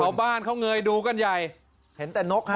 ชาวบ้านเขาเงยดูกันใหญ่เห็นแต่นกฮะ